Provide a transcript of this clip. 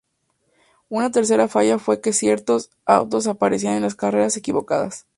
Una tercera falla fue que ciertos autos aparecerían en las carreras equivocadas.